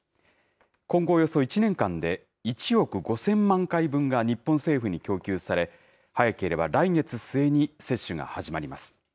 今後およそ１年間で、１億５０００万回分が日本政府に供給され、早ければ来月末に接種が始まります。